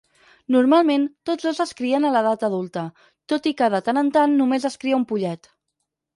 Normalment, tots dos es crien a l'edat adulta, tot i que de tant en tant només es cria un pollet.